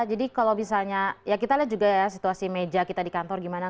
jadi kalau misalnya ya kita lihat juga ya situasi meja kita di kantor gimana